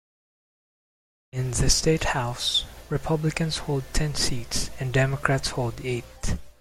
In the state house, Republicans hold ten seats and Democrats hold eight.